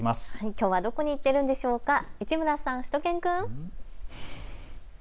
きょうはどこに行っているんでしょうか、市村さん、しゅと犬くん。